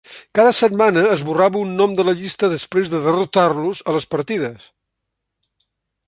Cada setmana, esborrava un nom de la llista després de derrotar-los a les partides.